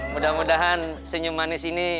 mudah mudahan senyum manis ini